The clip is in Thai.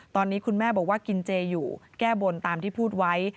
ตอนนี้คุณแม่บอกว่ากินเจอยู่แก้บนตามที่พูดไว้